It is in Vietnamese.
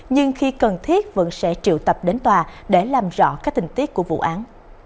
nhưng khi cần thiết vẫn sẽ triệu tập đến tòa để làm rõ các tình tiết của vụ án